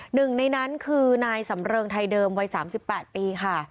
หนึ่งในนั้นคือนายสำเริงไทยเดิมวัย๓๘ปีค่ะ